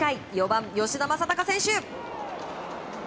４番、吉田正尚選手。